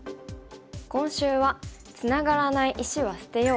今週は「つながらない石は捨てよう」。